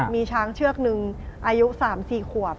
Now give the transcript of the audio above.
มีช้างเชือกนึงอายุ๓๔ขวบ